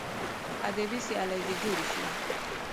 ادبي سیالۍ دې جوړې سي.